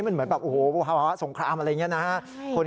มันเหมือนแบบโอ้โหภาวะสงครามอะไรอย่างนี้นะฮะ